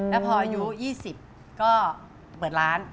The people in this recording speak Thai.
แล้วพออายุ๒๐ก็เปิดร้าน